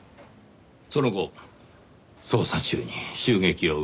その後捜査中に襲撃を受けました。